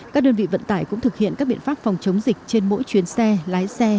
các đơn vị vận tải cũng thực hiện các biện pháp phòng chống dịch trên mỗi chuyến xe lái xe